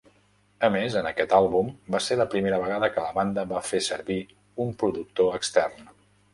A més, en aquest àlbum va ser la primera vegada que la banda va fer servir un productor extern.